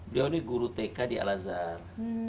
beliau ini guru tk di al azhar